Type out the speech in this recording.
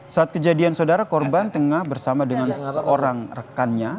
saat kejadian saudara korban tengah bersama dengan seorang rekannya